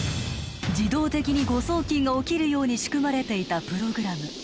自動的に誤送金が起きるように仕組まれていたプログラム